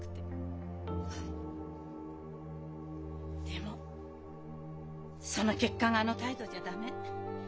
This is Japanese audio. でもその結果があの態度じゃ駄目。